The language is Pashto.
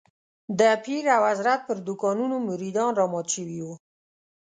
د پیر او حضرت پر دوکانونو مريدان رامات شوي وو.